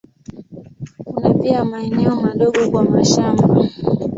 Kuna pia maeneo madogo kwa mashamba.